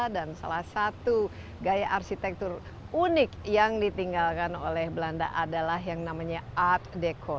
dan salah satu gaya arsitektur unik yang ditinggalkan oleh belanda adalah yang namanya art deco